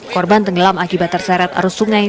korban tenggelam akibat terseret arus sungai